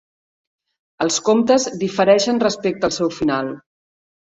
Els comptes difereixen respecte al seu final.